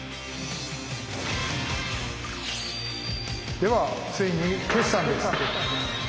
ではついに決算です！